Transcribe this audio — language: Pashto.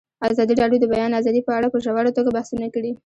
ازادي راډیو د د بیان آزادي په اړه په ژوره توګه بحثونه کړي.